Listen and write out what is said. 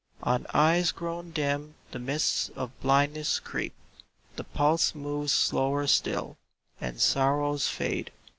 On eyes grown dim the mists of blind ness creep, The pulse moves slower still, and sorrows fade.